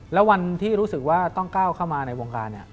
แล้ววันที่รู้สึกว่าต้องก้าวเข้ามาในวงการ